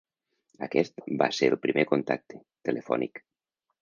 Aquest va ser el primer contacte, telefònic.